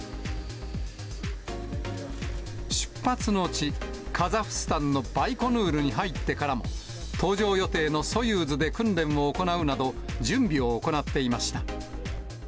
出発の地、カザフスタンのバイコヌールに入ってからも、搭乗予定のソユーズで訓練を行うなど、準備を行っていました。